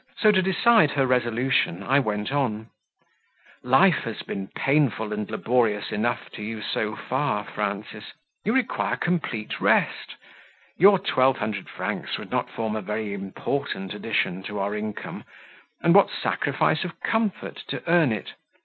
So, to decide her resolution, I went on: "Life has been painful and laborious enough to you so far, Frances; you require complete rest; your twelve hundred francs would not form a very important addition to our income, and what sacrifice of comfort to earn it!